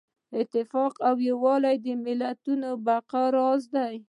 اتفاق او یووالی د ملتونو د بقا راز دی.